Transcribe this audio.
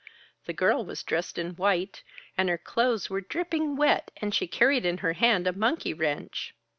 The girl was dressed in white and her clothes were dripping wet, and she carried in her hand a monkey wrench."